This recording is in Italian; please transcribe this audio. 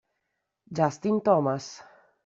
Justin Thomas